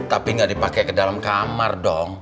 tapi ga dipake ke dalam kamar